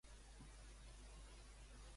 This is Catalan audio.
Com eren l'escena marítima que veia la gent?